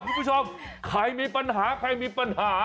คุณผู้ชมใครมีปัญหาใครมีปัญหา